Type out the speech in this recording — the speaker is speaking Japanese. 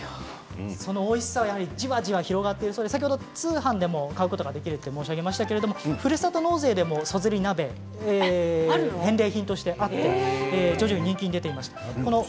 そのおいしさじわじわ広がっているそうで先ほど通販でも買えると申し上げましたがふるさと納税そずり肉、返礼品であって徐々に人気が出ています。